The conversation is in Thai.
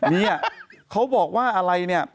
เนี่ยเขาบอกว่าอะไรเนี่ย